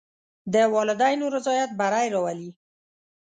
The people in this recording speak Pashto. د والدینو رضایت بری راولي.